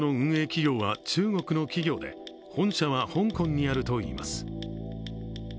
企業は中国の企業で、本社は香港にあるといいます。